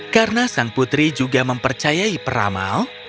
karena sang putri juga mempercayai peramal